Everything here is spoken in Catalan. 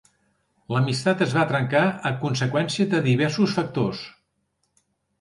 L'amistat es va trencar a conseqüència de diversos factors.